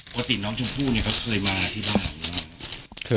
ปกติน้องสมภูเนี่ยเค้าเคยมาที่บ้านหรือเปล่า